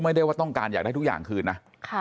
ไม่ได้ว่าต้องการอยากได้ทุกอย่างคืนนะ